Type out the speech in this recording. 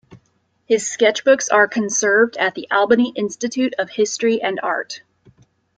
His sketchbooks are conserved at the Albany Institute of History and Art.